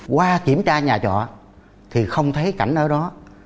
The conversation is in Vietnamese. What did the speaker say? qua kiểm tra nhà trọ thì không thấy cảnh ở đó